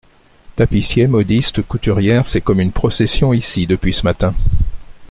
Tapissier, modiste, couturière, c'est comme une procession, ici, depuis ce matin.